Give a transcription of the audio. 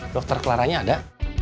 dokter klaranya ada